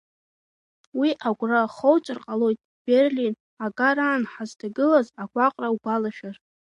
Уи агәра хоуҵар ҟалоит, Берлин агараан ҳазҭагылаз агәаҟра угәалашәар.